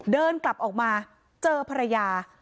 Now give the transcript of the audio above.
เดินกลับออกมาเจอภรรยา